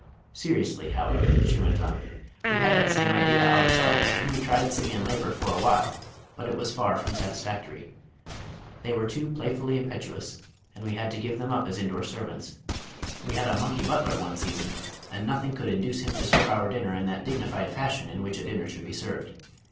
Seriously, however," she went on, "we had that same idea ourselves, and we tried Simian labor for a while, but it was far from satisfactory. They were too playfully impetuous, and we had to give them up as indoor servants. We had a Monkey Butler one season, and nothing could induce him to serve our dinner in that dignified fashion in which a dinner should be served.